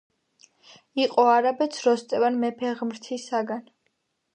იყო არაბეთს როსტევან მეფე ღმრთისაგან